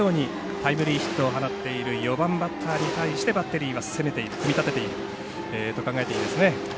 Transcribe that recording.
タイムリーヒットを放っている４番バッターに対してバッテリーは組み立てていると考えていいですね。